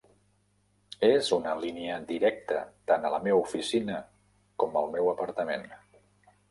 És una línia directa tant a la meva oficina com al meu apartament.